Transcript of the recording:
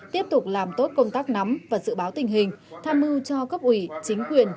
tiếp tục làm tốt công tác nắm và dự báo tình hình tham mưu cho cấp ủy chính quyền